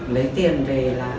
lấy tiền về là